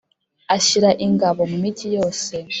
Ashyira ingabo mu migi yose